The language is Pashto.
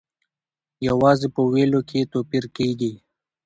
یوازې په ویلو کې یې توپیر کیږي.